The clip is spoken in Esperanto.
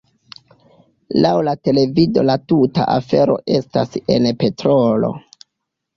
Laŭ la televido la tuta afero estas en petrolo.